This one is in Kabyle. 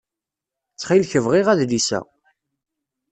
Ttxil-k bɣiɣ adlis-a.